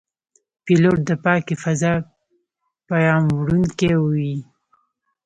پیلوټ د پاکې فضا پیاموړونکی وي.